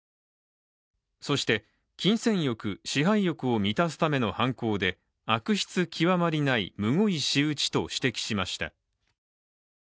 そして、金銭欲、支配欲を満たすための犯行で悪質極まりないむごい仕打ちと指摘しました。